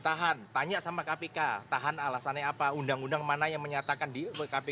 akhirnya resmi ditahan oleh komisi pemberantasan korupsi